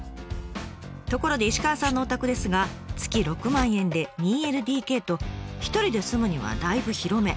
ところで石川さんのお宅ですが月６万円で２ＬＤＫと一人で住むにはだいぶ広め。